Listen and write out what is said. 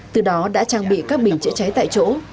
từ đó đã trang bị các bình chữa cháy tại chỗ